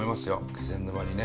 気仙沼にね。